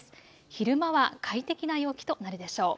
昼間は快適な陽気となるでしょう。